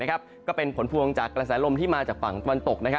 ก็เป็นผลพวงจากกระแสลมที่มาจากฝั่งตะวันตก